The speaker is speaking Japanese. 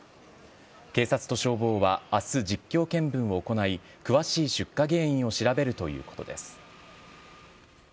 警察と消防は、あす、実況見分を行い、詳しい出火原因を調べるということです。